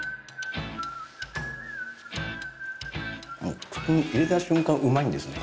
もう口に入れた瞬間うまいんですね